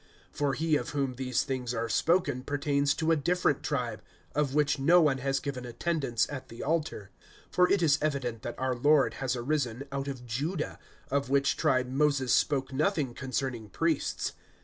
(13)For he of whom these things are spoken pertains to a different tribe, of which no one has given attendance at the altar. (14)For it is evident that our Lord has arisen out of Judah; of which tribe Moses spoke nothing concerning priests.